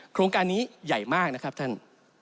โครงการนี้ใหญ่มากนะครับท่าน